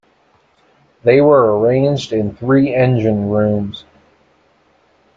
They were arranged in three engine rooms.